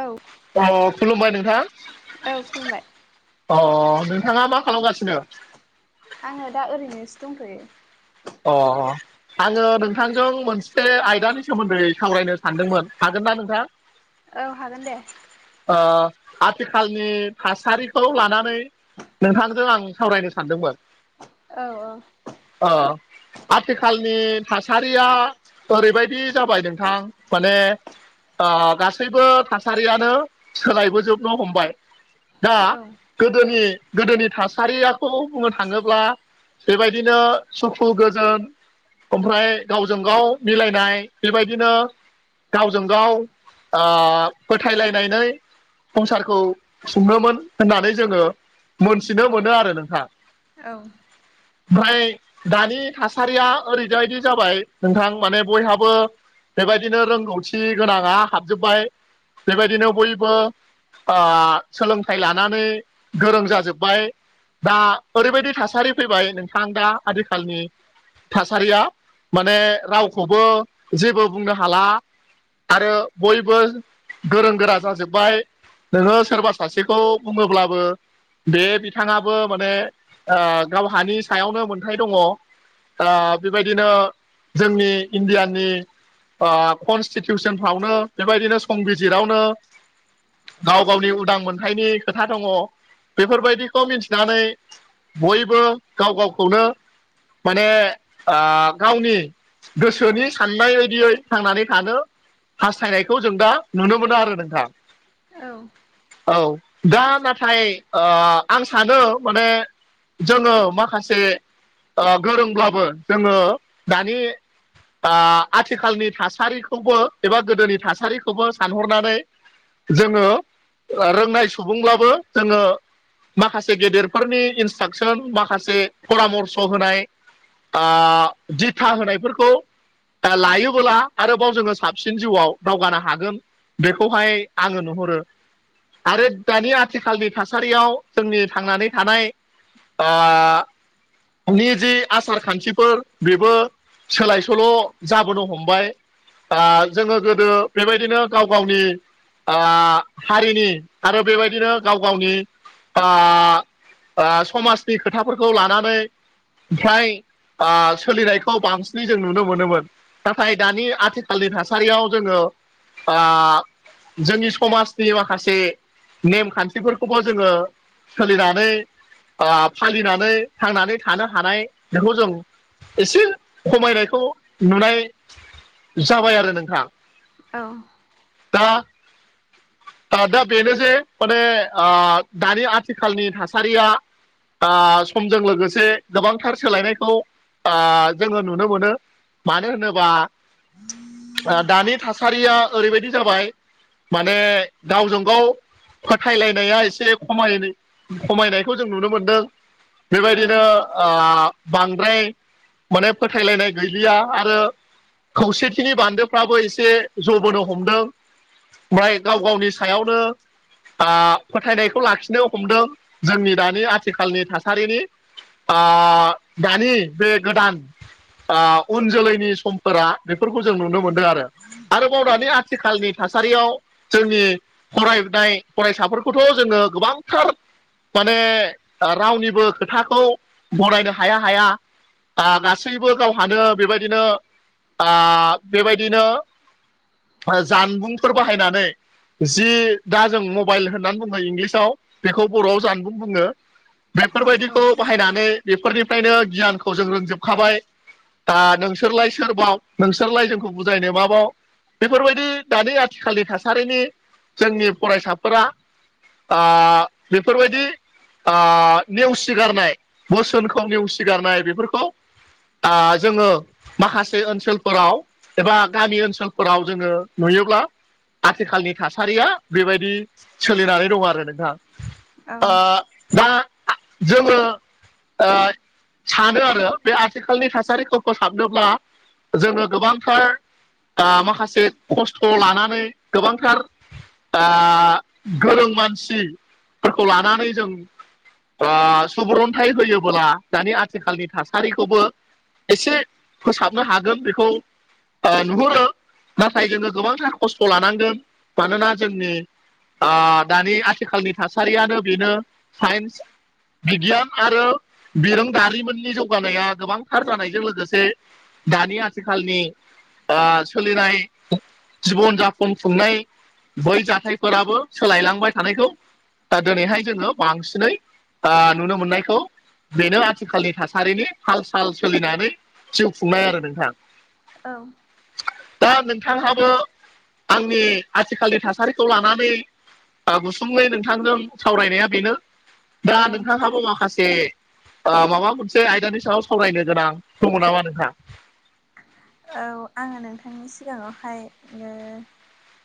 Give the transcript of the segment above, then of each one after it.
औ। औ खुलुमबाय नोंथां। औ खुलुमबाय। अ नोंथाङा मा खालामगासिनो? आङो दा ओरैनोसो दंथ'यो। अ अ। आङो नोंथांजों मोनसे आयदानि सोमोन्दै सावरायनो सानदोंमोन हागोन ना नोंथां? [inaudible] औ हागोन दे। ओ आथिखालनि थासारिखौ लानानै नोंथांजों आं सावरायनो सानदोंमोन। औ औ। अ। आथिखालनि थासारिया ओरैबायदि जाबाय नोंथां माने ओ गासैबो थासारियानो सोलायबोजोबनो हमबाय दा औ गोदोनि गोदोनि थासारियाखौ बुंनो थाङोब्ला बेबायदिनो सु खु गोजोन ओमफ्राय गावजों गाव मिलायनाय बेबायदिनो गावजों गाव ओ फोथायलायनानै संसारखौ खुङोमोन होननानै जोङो मोनथिनो मोनो आरो नोंथां। औ। ओमफ्राय दानि थासारिया ओरैबायदि जाबाय नोंथां माने बयहाबो बेबायदिनो रोंगौथि गोनाङा हाबजोब्बाय बेबायदिनो बयबो ओ सोलोंथाइ लानानै गोरों जाजोब्बाय। दा ओरैबायदि थासारि फैबाय नोंथां दा आथिखालनि थासारिया माने रावखौबो जेबो बुंनो हाला आरो बयबो गोरों गोरा जाजोब्बाय। नोङो सोरबा सासेखौ बुङोब्लाबो बे बिथाङाबो माने ओ गावहानि सायावनो मोनथाय दङ। ओ बेबायदिनो जोंनि इण्डियानि ओ कनस्टिटिउसनफ्रावनो बेबायदिनो संबिजिरावनो गाव गावनि उदां मोनथायनि खोथा दङ बेफोरबायदिखौ मिथिनानै बयबो गाव गावखौनो माने ओ गावनि गोसोनि साननाय बायदियै थांनानै थानो हास्थायनायखौ जों दा नुनो मोनो आरो नोंथां। औ। औ दा नाथाय ओ आं सानो माने जोङो माखासे ओ गोरोंब्लाबो जोङो दानि बा आथिखालनि थासारिखौबो एबा गोदोनि थासारिखौबो सानहरनानै जोङो ओ रोंनाय सुबुंब्लाबो जोङो माखासे गेदेरफोरनि इन्सट्राकसन माखासे परामर्स होनाय आ दिथा होनायफोरखौ दा लायोबोला आरोबाव जोङो साबसिन जिउआव दावगानो हागोन बेखौहाय आङो नुहुरो आरो दानि आथिखालनि थासारियाव जोंनि थांनानै थानाय ओ नि जि आसार खान्थिफोर बेबो सोलाय सोल' जाबोनो हमबाय। आ जोङो गोदो बेबायदिनो गाव गावनि आ हारिनि आरो बेबायदिनो गाव गावनि आ आ समाजनि खोथाफोरखौ लानानै ओमफ्राय आ सोलिनायखौ बांसिनै जों नुनो मोनोमोन। नाथाय दानि आथिखालनि थासारियाव जोङो आ जोंनि समाजनि माखासे नेमखान्थिफोरखौबो जोङो सोलिनानै ओ फालिनानै थांनानै थानो हानाय बेखौ जों एसे खमायनायखौ नुनाय जाबाय आरो नोंथां औ दा आ दा बेनोसै माने ओ दानि आथिखालनि थासारिया आ समजों लोगोसे गोबांथार सोलायनायखौ आ जोङो नुनो मोनो। मानो होनोबा दानि ओ थासारिया ओरैबायदि जाबाय माने गावजों गाव फोथायलायनाया एसे खमाय खमायनायखौ जों नुनो मोनदों। बेबायदिनो ओ बांद्राय माने फोथायलायनाय गैलिया आरो खौसेथिनि बान्दोफ्राबो एसे जबोनो हमदों। ओमफाय गाव गावनि सायावनो ओ फोथायनायखौ लाखिनो हमदों जोंनि दानि आथिखालनि थासारिनि ओ दानि बे गोदान ओ उन जोलैनि समफोरा बेफोरखौ जों नुनो मोनदों आरो आरोबाव औ दानि आथिखालनि थासारियाव जोंनि फरायनाय फरायसाफोरखौथ' जोङो गोबांथार माने रावनिबो खोथाखौ गरायनो हाया हाया आ गासैबो गावहानो बेबायदिनो आ बेबायदिनो जानबुंफोर बाहायनानै जि दा जों मबाइल होननानै बुङो इंलिसाव बेखौ बर'आव जानो बुं बुङो। बेफोरबायदिखौ बाहायनानै बेफोरनिफ्रायनो गियानखौ जों रोंजोबखाबाय। दा नोंसोरलाय सोरबाव नोंसोरलाय जोंखौ बुजायनो माबाव। बेफोरबायदि दानि आथिखालनि थासारिनि जोंनि फरायसाफोरा आ बेफोरबायदि आ नेउस सिगारनाय बोसोनखौ नेवसिगारनाय बेफोरखौ ओ जोङो माखासे ओनसोलफोराव एबा गामि ओनसोलफोराव जोङो नुयोब्ला आथिखालनि थासारिया बेबायदि सोलिनानै दं आरो नोंथां। ओ दा जोङो ओ सानो आरो बे आथिखालनि थासारिखौ फोसाबनोब्ला जोङो गोबांथार ओ माखासे खस्थ' लानानै गोबांथार ओ गोरों मानसि फोरखौ लानानै जों सुबुरन्थाइ होयोबोला दानि आथिखालनि थासारिखौबो। एसे फोसाबनो हागोन बेखौ ओ नुहुरो नाथाय जोङो गोबांथार खस्थ' लानांगोन मानोना जोंनि ओ दानि आथिखालनि थासारियानो बेनो साइन्स बिगियान आरो बिरोंदारिमिननि जौगानाया गोबांथार जानायजों लोगोसे दानि आथिखालनि ओ सोलिनाय जिबन जाफन खुंनाय बै जाथायफोराबो सोलायलांबाय थानायखौ दा दिनैहाय जोङो बांसिनै ओ नुनो मोननायखौ बेनो आथिखालनि थासारिनि हाल साल सोलिनानै जिउ खुंनाय आरो नोंथां। औ। दा नोंथांहाबो आंनि आथिखालनि थासारिखौ लानानै ओ गुसुंयै नोंथांजों सावरायनाया बेनो दा औ नोंथांहाबो माखासे ए माबा मोनसे आयदानि सायाव सावरायनो गोनां दङ नामा नोंहा? औ आङो नोंथांनि सिगाङावहाय ओ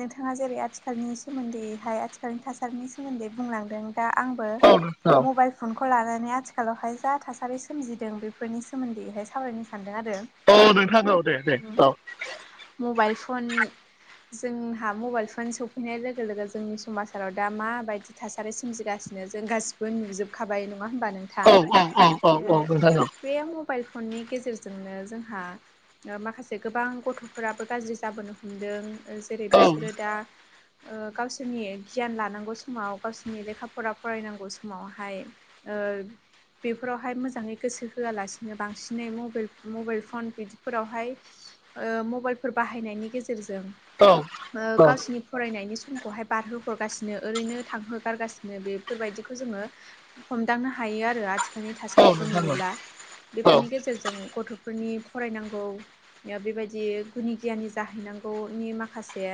नोंथाङा जेरै आथिखालनि सोमोन्दैहाय आथिखालनि थासारिनि सोमोन्दै बुंलांदों। दा आंबो औ नोंथां औ मबेल फनखौ लानानै आथिखालावहाय जा थासारि सोमजिदों बेफोरनि सोमोन्दैहाय सावरायनो सानदों आरो। औ नोंथां औ दे दे उम औ मबायल फन जोंहा मबेल फन सफैनाय लोगो लोगो जोंनि समाजाराव दा माबायदि थासारि सोमजिगासिनो जों गासिबो नुजोब खाबाय नङा होमबा नोंथां। औ औ औ औ ओ औ नोंथां औ बे मबेल फननि गेजेरजोंनो जोंहा ओ माखासे गोबां गथ'फोराबो गाज्रि जाबोनो हमदों। ओ जेरै औ बिसोरो दा ओ गावसोनि गियान लानांगौ समाव गावसोनि लेखा फरा फरायनांगौ समावहाय ओ बेफोरावहाय मोजाङै गोसो होआलासिनो बांसिनै मबेल मबेल फन बिदि फोरावहाय ओ मबेलफोर बाहायनायनि गेजेरजों औ ओ नोंथां गावसिनि फरायनायनि समखौहाय बारहो हरगासिनो ओरैनो थांहो गारगासिनो बेफोरबायदिखौ जोङो हमदांनो हायो आरो आथि खालनि औ थासारिखौ नोंथां नुयोब्ला औ बेफोरनि गेजेरजों गथ'फोरनि फरायनांग गौ ओ बेबायदि गुनि गियानि जाहै नांगौनि माखासे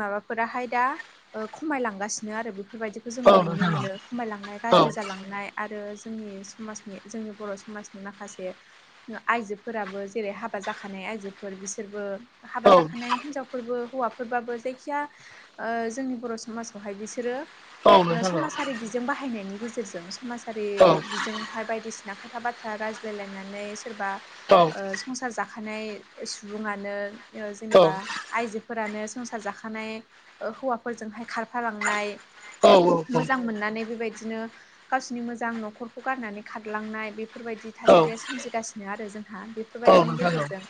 माबाफोराहाय दा ओ खमायलांगासिनो आरो बेफ फोरबायदिखौ जोङो औ नुनो नोंथां मोनो खमायलांनाय गाज्रि औ जालांनाय। आरो जोंनि समाजनि जोंनि बर' समाजनि माखासे ओ आयजोफोराबो जेरै हाबा जाखानाय आयजोफोर बिसोरबो हाबा औ जाखानाय हिनजाव फोरबो हौवाफोरबाबो जायखिया ओ जोंनि बर' समाजावहाय बिसोरो ओ औ समाजारि बिजों बाहायनायनि गेजेरजों समाजारि औ औ नोंथां औ नोंथां औ नोंथां औ नोंथां औ बिजोंहाय बायदिसि ना खोथा बाथ्रा रायज्लायलायनानै सोरबा ओ संसार जाखानाय ओ सुबुङानो ओ जेनेबा आयजोफोरानो संसार जाखानाय ओ हौवाफोरजोंहाय खारफालांनाय। मोजां मोननानै बेबायदिनो गावसिनि मोजां न'खरखौ गारनानै खारलांनाय बेफोरबायदि थासारिया सोमजिगासिनो आरो जोंहा बेफ फोरबायदिनि गेजेरजों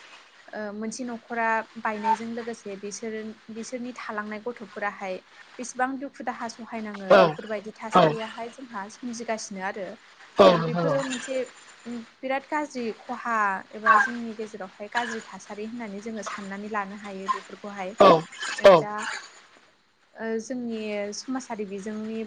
ओ मोनसे न'खरा बायनायजों लोगोसे बिसोर बिसोरनि थालांनाय गथ'फोराहाय बेसेबां दुखु दाहा सहायनाङो बेफोरबायदि थासारियाहाय जोंहा सोमजिगासिनो आरो। ओ बेफोरो मोनसे उम बिराद गाज्रि खहा एबा जोंनि गेजेरावहाय गाज्रि थासारि होननानै जोङो साननानै लानो हायो बेफोरखौहाय। ओ दा ओ जोंनि समाजारि बिजोंनि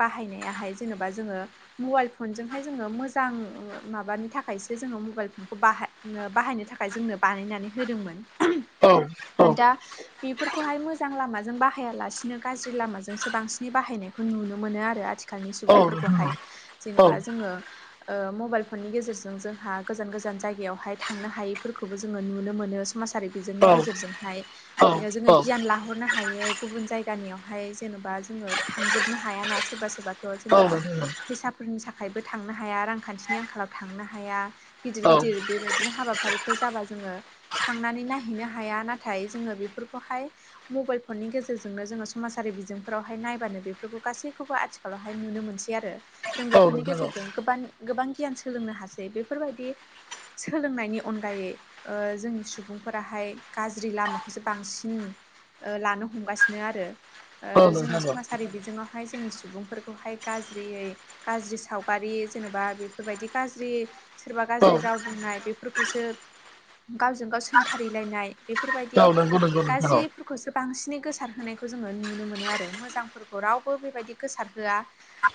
बाहायनायाहाय जेनेबा जोङो मबायल फनजोंहाय जोङो मोजां ओ माबानि थाखायसो जोङो मबायल फनखौ बाहा नो बाहायनो थाखाय जोंनो बानायनानै होदोंमोन। औ होन दा बेफोरखौहाय मोजां लामाजों बाहायालासिनो गाज्रि लामाजोंसो बांसिनै बाहायनाय खो नुनो मोनो आरो आथिखालनि सुबुंफोरखौहाय जेनेब्ला जोङो ओ मबेल फननि गेजेरजों जोंहा गोजान गोजान जायगायाव फाय थांनो हायैफोरखौबो जोङो नुनो मोनो समासारि बेजोंनि गेजेरजोंहाय ओ जोङो गियान लाहरनो हायो। गुबुन जायगानियावहाय जेनेबा जोङो थांजोबनो हायाना सोरबा सोरबाथ' जेन'बा फैसा फोरनि साखायबो थाखायबो थांनो हाया रांखान्थिनि आंखालाव थांनो हाया। गिदिर गिदिर बेबायदिनो हाबाफारिफोर जाबा जोङो थांनानै नायहैनो हाया। नाथाय जोङो बेफोरखौहाय मबेल फननि गेजेरजोंनो जोङो समाजारि बिजोंफोरावहाय नायबानो बेफोरखौ गासैखौबो आथि [unintelligible] हाय नुनो मोनसै आरो। जों औ बेफोरनि नोंथां औ गेजेरजों गोबां गोबां गियान सोलोंनो हासै बेफोरबायदि सोलोंनायनि अनगायै ओ जोंनि सुबुंफोराहाय गाज्रि लामाखौसो बांसिन ओ लानो हमगासिनो आरो ओ औ जोङो नोंथां समाजारि बिजोंआव हाय जोंनि सुबुंफोरखौहाय गाज्रियै गाज्रि सावगारि जेनेबा बेफोरबायदि गाज्रि सोरबा औ औ गाज्रि राव बुंनाय बेफोरखौसो गावजों गाव सोंखारिलायनाय बेफोरबायदि औ नंगौ नंगौ नोंथां औ गाजिब खौसो बांसिनै गोसार होनायखौ जोङो नुनो मोनो आरो मोजांफोरखौ रावबो बेबायदि गोसार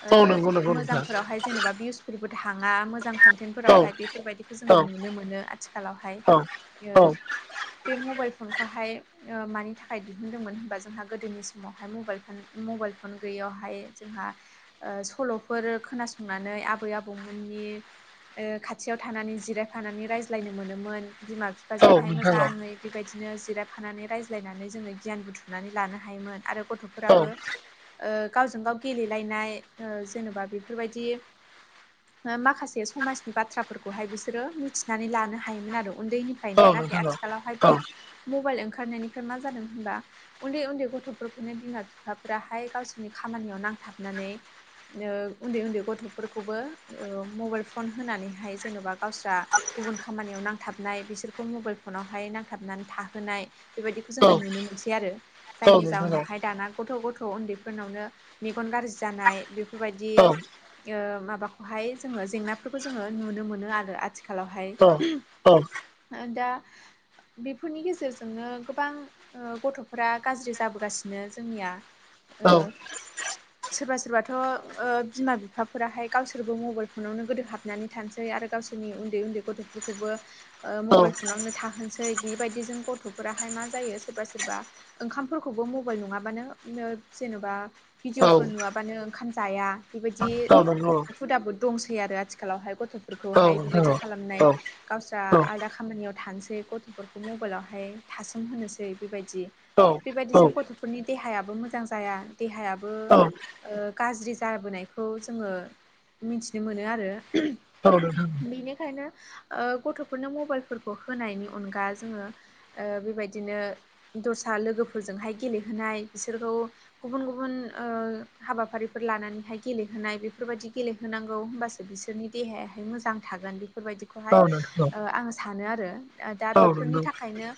[unintelligible] औ नंगौ ओ नंगौ मोजां नोंथां फोरावहाय जेन'बा भिउसफोरबो थाङा मोजां औ कन्टेनफोरावहाय बेफोरबायदि जोङो औ नुनो मोनो आथिखालावहाय औ यो औ बे मबाइल फनखौहाय ओ मानि थाखाय दिहुनदोंमोन होनबा जोंहा गोदोनि समावहाय मबाइल फोन मबाइल फन गैयियावहाय जोंहा ओ सल'फोर खोनासंनानै आबै आबौमोननि ओ खाथियाव थानानै जिरायफानानै रायज्लायनो मोनोमोन बिमा औ बिफाजोंहाय नोंथां औ मोजाङै। बेबायदिनो जिरायफानानै रायज्लायनानै जोङो गियान बुथुमनानै लानो हायोमोन आरो औ गथ'फोराबो ओ गावजों गाव गेलेलायनाय ओ जेनेबा बेफोरबायदि माखासे समाजनि बाथ्राफोरखौहाय बिस मिथिनानै लानो हायोमोन आरो उन्दैनिफ्रायनो औ नाथाय नोंथां औ नोंथां औ आथिखालावहाय औ बे मबाइल ओंखारनायनिफ्राय मा जादों होनबा उन्दै उन्दै गथ'फोरखौनो बिमा बिफाफोराहाय गावसोरनि खामानियाव नांथाबनानै नो उन्दै उन्दै गथ'फोरखौबो ओ मबाइल फन होनानैहाय जेन'बा गावस्रा गुबुन खामानियाव नांथाबनाय बिसोरखौ मबाइल फनावहाय नांथाबनानै थाहोनाय बेबायदिखो औ जोङो नुनो मोनसै आरो। जायनि जाउनावहाय दाना गथ' गथ' ओन्दैफोरनावनो मेगन गाज्रि जानाय बे बेफोरबायदि यो माबाखौहाय जोङो जेंनाफोरखौ जोङो नुनो मोनो आरो आथि खालावहाय ओहोम दा बेफोरनि गेजेरजोंनो गोबां ओ गथ'फोरा गाज्रि जाबोगासिनो जोंनिया ओ सोरबा सोरबाथ' ओ बिमा बिफाफोराहाय गावसोरबो मबाइल फनावनो गोदो हाबनानै थानोसै आरो गावसोरनि उन्दै उन्दै गथ'फोरखौबो ओ औ नंगौ औ नोंथां औ नोंथां औ मबाइल नोंथां फनावनो थाहोनोसै बिबायदिजों गथ'फोराहाय मा जायो सोरबा सोरबा ओंखामफोरखौबो मबाइल नङाबानो [unintelligible] जेन'बा भिडिअफोर औ नुवाबानो ओंखाम जाया बेबायदि औ नंगौ हुदाबो दंसै आरो आथिखालावहाय औ औ नोंथां औ नंगौ गथ'फोरखौहाय बेबायदि खालामनाय गावस्रा आलादा खामानियाव थानोसै गथ'फोरखौ मबाइलावहाय थासोम होनोसै बेबायदि बेबायदिजों गथ'फोरनि देहायाबो मोजां जाया देहायाबो ओ गाज्रि जाबोनायखौ जोङो मिथिनो मोनो आरो ओहोम। औ नोंथां बिनिखायनो ओ गथ'फोरनो मबाइलफोरखौ होनायनि अनगा जोङो बेबायदिनो दस्रा लोगोफोरजोंहाय गेलेहोनाय बिसोरखौ गुबुन गुबुन हाबाफारिफोर लानानैहाय गेलेहोनाय बेफोरबायदि गेलेहोनांगौ होमबासो बिसोरनि देहायाहाय मोजां थागोन बेफोरबायदिखौहाय नोंथां आं सानो आरो दा बेफोरनि थाखायनो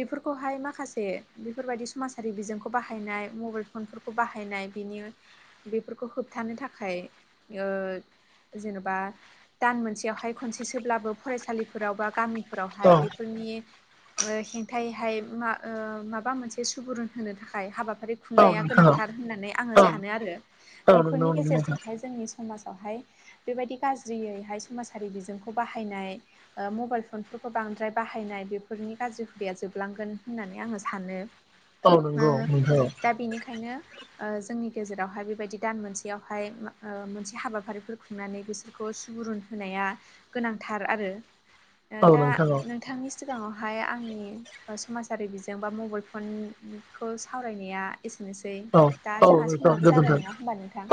बेफोरखौहाय माखासे बेफोरबायाददि समाजारि बिजोंखौ बाहायनाय मबाइल फनफोरखौ खौ बाहायनाय बिनि बेफोरखौ होबथानो थाखाय जेनेबा दान मोनसेयावहाय खनसेसोब्लाबो फरायसालिफोराव बा गामिफोरावहाय बेफोरनि हेंथायैहाय मा माबा मोनसे सुबुरुन होनो थाखाय फं खुंनाया गोनांथार होननानै आङो सानो आरो बेफोरनि गेजेरजोंहाय जोंनि समाजावहाय बेबायदि गाज्रियैहाय समाजारि बिजोंखौ बाहायनाय ओ मबाइल फनफोरखौ बांद्राय बाहायनाय बेफोरनि गाज्रि हुदाया जोबलांगोन होननानै आङो सानो। औ ओ नंगौ नोंथां दा बेनिखायनो ओ जोंनि गेजेरावहाय बेबायदि दान मोनसेयावहाय ओ मोनसे हाबाफारिफोर खुंनानै बिसोरखौ सु सुबुरुन होनाया गोनांथार आरो ओ औ दा नोंथां नोंथांनि सिगाङावहाय आंनि समाजारि बिजों बा मबाइल फनखौ सावरायनाया एसेनोसै दा जोंहा औ नोंथां समाबो गोजोनथों जाबाय औ नङा होमबा नोंथां?